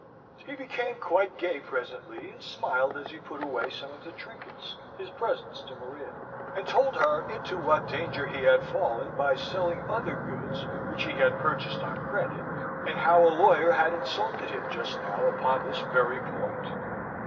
He became quite gay presently, and smiled as he put away some of the trinkets, his presents to Maria, and told her into what danger he had fallen by selling other goods which he had purchased on credit; and how a lawyer had insulted him just now upon this very point.